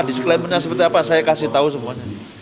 disklaimnya seperti apa saya kasih tau semuanya